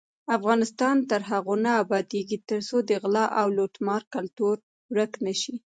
افغانستان تر هغو نه ابادیږي، ترڅو د غلا او لوټمار کلتور ورک نشي.